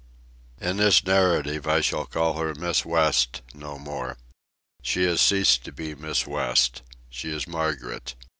In this narrative I shall call her "Miss West" no more. She has ceased to be Miss West. She is Margaret.